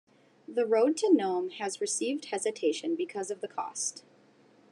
The road to Nome has received hesitation because of the cost.